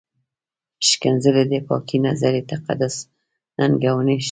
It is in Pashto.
ښکنځلې د پاکې نظریې تقدس ننګولی شي.